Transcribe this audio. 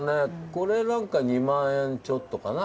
これなんか２万円ちょっとかな。